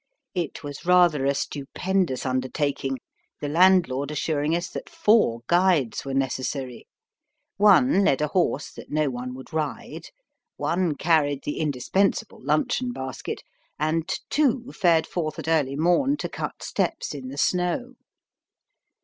It was rather a stupendous undertaking, the landlord assuring us that four guides were necessary. One led a horse that no one would ride, one carried the indispensable luncheon basket, and two fared forth at early morn to cut steps in the snow.